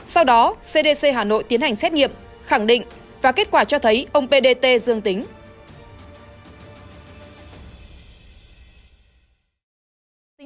sau đó cdc hà nội tiến hành xét nghiệm khẳng định và kết quả cho thấy ông p d t dương tính